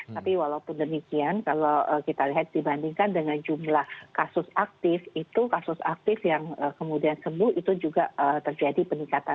tapi walaupun demikian kalau kita lihat dibandingkan dengan jumlah kasus aktif itu kasus aktif yang kemudian sembuh itu juga terjadi peningkatan